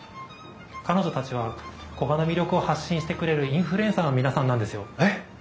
彼女たちは古河の魅力を発信してくれるインフルエンサーの皆さんなんですよ。えっ！